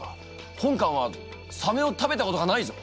本官はサメを食べたことがないぞ！